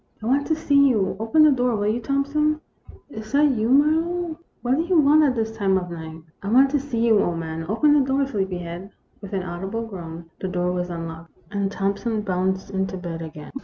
" I want to see you. Open the door, will you, Thompson ?"" Is that you, Marlowe ? What do you want at this time of night ?"" I want to see you, old man. Open the door, sleepyhead." With an audible groan, the door was unlocked, and Thompson bounced into bed again.